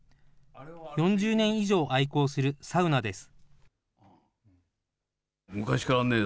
４０年以上愛好するサウナです。